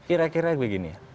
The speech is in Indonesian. kira kira begini ya